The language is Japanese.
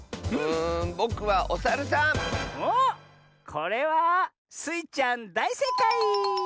これはスイちゃんだいせいかい！